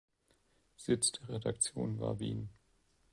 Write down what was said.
Sitz der Redaktion war Wien.